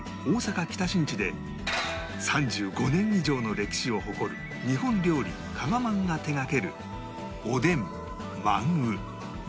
大阪北新地で３５年以上の歴史を誇る日本料理かが万が手掛けるおでん万ん卯